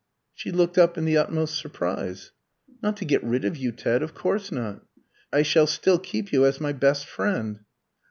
She looked up in the utmost surprise. "Not to get rid of you, Ted, of course not. I shall still keep you as my best friend."